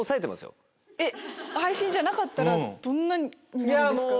配信じゃなかったらどんなになるんですか？